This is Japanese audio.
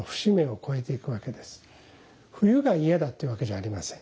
冬が嫌だっていうわけじゃありません。